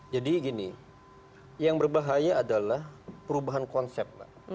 jadi gini yang berbahaya adalah perubahan konsep